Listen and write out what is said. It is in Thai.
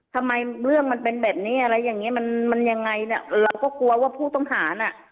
ทำไมเรื่องมันเป็นแบบนี้อะไรอย่างเงี้มันมันยังไงเนี่ยเราก็กลัวว่าผู้ต้องหาน่ะ